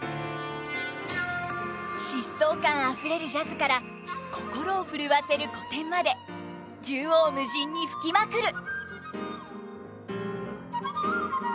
疾走感あふれるジャズから心をふるわせる古典まで縦横無尽に吹きまくる！